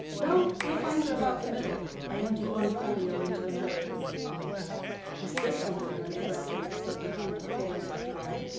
"No; you'll find her about the middle. I emptied one folio into another." "Is this one of your undergraduates?" said Deronda, holding up a drawing.